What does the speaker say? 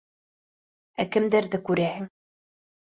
Ә кемдәрҙе күрәһең?